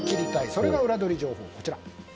それがウラどり情報。